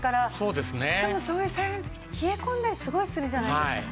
しかもそういう災害の時冷え込んだりすごいするじゃないですか。